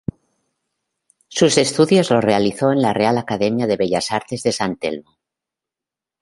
Sus estudios los realizó en la Real Academia de Bellas Artes de San Telmo.